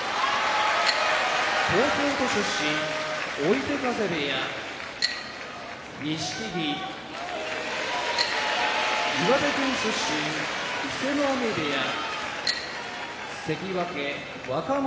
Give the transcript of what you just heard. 東京都出身追手風部屋錦木岩手県出身伊勢ノ海部屋関脇・若元